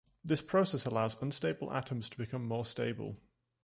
This process allows unstable atoms to become more stable.